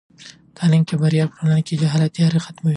په تعلیم کې بریا په ټولنه کې د جهل تیارې ختموي.